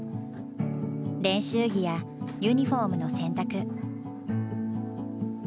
練習着やユニフォームの洗濯。